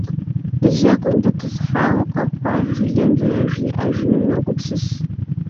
Жьэгум дэтӀысхьауэ, къэхъуар жылэм зэражриӏэжынум йогупсыс.